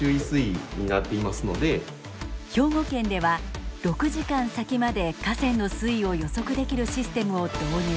兵庫県では６時間先まで河川の水位を予測できるシステムを導入。